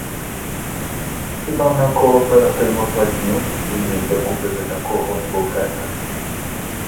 Хіба на кооперативну платню він міг би купити такого буфета?